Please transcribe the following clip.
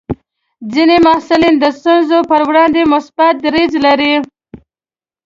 ځینې محصلین د ستونزو پر وړاندې مثبت دریځ لري.